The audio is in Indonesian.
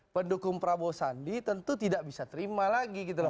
pendukung prabowo sandi tentu tidak bisa terima lagi